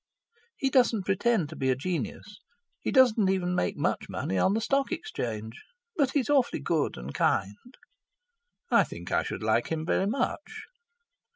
"He doesn't pretend to be a genius. He doesn't even make much money on the Stock Exchange. But he's awfully good and kind." "I think I should like him very much."